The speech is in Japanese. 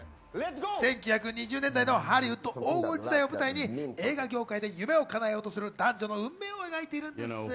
１９２０年代のハリウッド黄金時代を舞台に、映画業界で夢を叶えようとする男女の運命を描いているんです。